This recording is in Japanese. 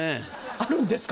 あるんですか？